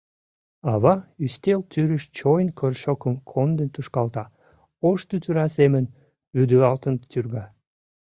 Ава ӱстел тӱрыш чойн кӧршӧкым конден тушкалта — ош тӱтыра семын вӱдылалтын тӱрга.